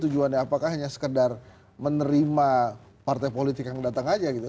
tujuannya hanya sekedar menerima partai politik datang aja gitu